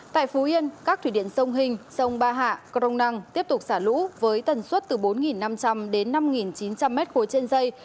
tại phú yên các thủy điện sông hình sông ba hạ crong năng tiếp tục xả lũ với tần suất từ bốn năm trăm linh đến năm chín trăm linh m ba trên dây